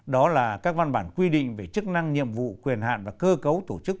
đó là các văn bản quy định về chức năng nhiệm vụ quyền hạn và cơ cấu tổ chức